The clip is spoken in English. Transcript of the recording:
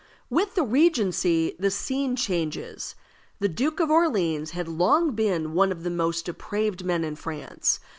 With the Regency the scene changes. The Duke of Orleans had long been one of the most depraved men in France.